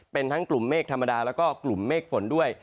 เป็นทั้งกลุ่มเมฆธรรมดาแล้วก็กลุ่มเมฆฝนด้วย